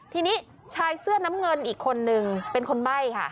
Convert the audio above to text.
ทีนี้ชายเสื้อน้ำเงินอีกคนนึงเป็นคนใบ้ค่ะ